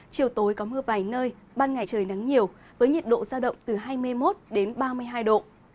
chiều tối có mưa vài nơi ban ngày trời nắng nhiều với nhiệt độ giao động từ hai mươi một đến ba mươi hai độ